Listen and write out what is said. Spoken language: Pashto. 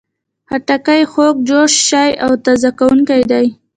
خټکی خوږ، جوسي او تازه کوونکی دی.